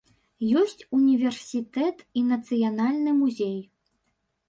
Ёсць універсітэт і нацыянальны музей.